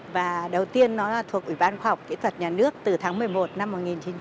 và đầu tiên nó là thuộc ủy ban khoa học kỹ thuật nhà nước từ tháng một mươi một năm một nghìn chín trăm tám mươi